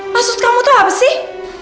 maksud kamu itu apa sih